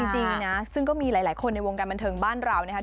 จริงนะสินก็มีหลายคนในวงการบรรเทิงบ้านเรานะฮะ